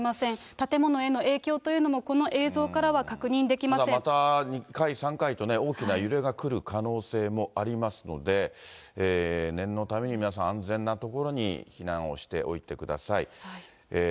建物への影響というのも、また２回、３回とね、大きな揺れが来る可能性もありますので、念のために皆さん、安全な所に避難をしておいてください。